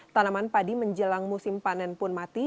tanaman padi menjelang musim panen pun mati